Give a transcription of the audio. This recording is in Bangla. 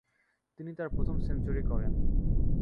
তিনি তাঁর প্রথম সেঞ্চুরি করেন।